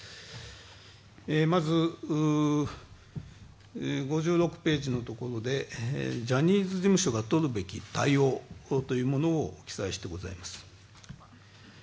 まず、５６ページのところでジャニーズ事務所が取るべき対応というものを記載してございます